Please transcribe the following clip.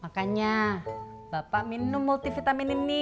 makanya bapak minum multivitamin ini